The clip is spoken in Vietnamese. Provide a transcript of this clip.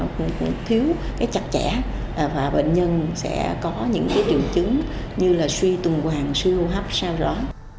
thì sẽ thiếu cái chặt chẽ và bệnh nhân sẽ có những cái triệu chứng như là suy tùng hoàng suy hô hấp sao rõ